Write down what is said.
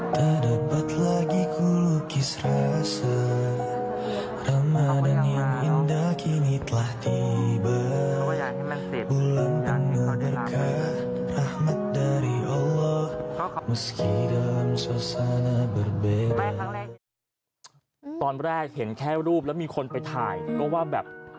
ตอนแรกเห็นแค่รูปแล้วมีคนไปถ่ายก็ว่าแบบ